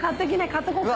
買っとこうか？